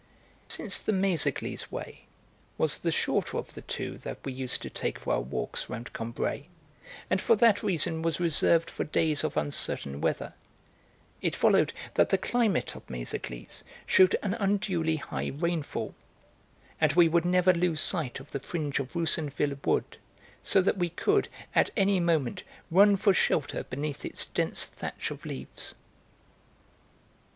Since the 'Méséglise way' was the shorter of the two that we used to take for our walks round Combray, and for that reason was reserved for days of uncertain weather, it followed that the climate of Méséglise shewed an unduly high rainfall, and we would never lose sight of the fringe of Roussainville wood, so that we could, at any moment, run for shelter beneath its dense thatch of leaves.